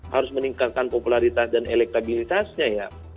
harus meningkatkan popularitas dan elektabilitasnya ya